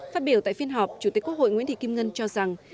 phát biểu tại phiên họp chủ tịch quốc hội nguyễn thị kim ngân cho rằng